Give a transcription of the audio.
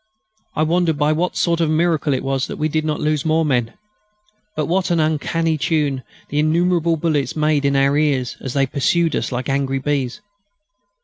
I wondered by what sort of miracle it was that we did not lose more men. But what an uncanny tune the innumerable bullets made in our ears as they pursued us like angry bees!